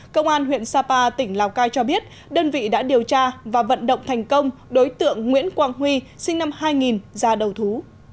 công an huyện sapa tỉnh lào cai cho biết đơn vị đã điều tra và vận động thành công đối tượng nguyễn quang huy sinh năm hai nghìn ra đầu thú